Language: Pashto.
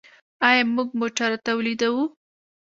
آیا موږ موټر تولیدوو؟